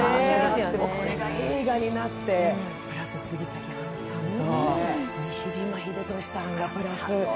でも、これが映画になって、プラス杉咲花さんと西島秀俊さんがプラス。